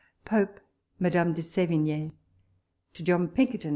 POPE MADAME DE SEVIGXE. To John Pinkerton.